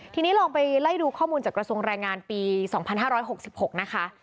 ทีนี้ลองไปไล่ดูข้อมูลจากกระทรวงแรงงานปี๒๕๖๖นะคะ